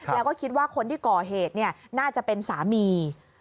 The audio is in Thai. แล้วก็คิดว่าคนที่ก่อเหตุน่าจะเป็นสามี